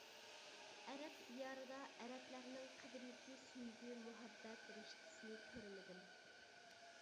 ئەرەب دىيارىدا ئەرەبلەرنىڭ قەدىمكى سۆيگۈ-مۇھەببەت رىشتىسىنى كۆرمىدىم.